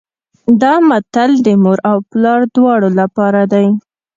دا متل د مور او پلار دواړو لپاره دی